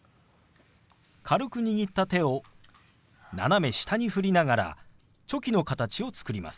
軽く握った手を斜め下に振りながらチョキの形を作ります。